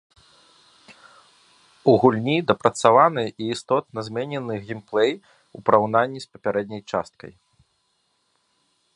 У гульні дапрацаваны і істотна зменены геймплэй у параўнанні з папярэдняй часткай.